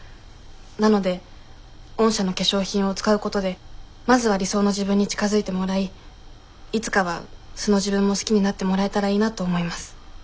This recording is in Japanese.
なので御社の化粧品を使うことでまずは理想の自分に近づいてもらいいつかは素の自分も好きになってもらえたらいいなと思います。